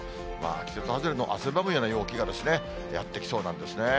季節外れの汗ばむような陽気がやって来そうなんですね。